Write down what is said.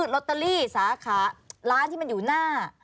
ลอตเตอรี่สาขาร้านที่มันอยู่หน้า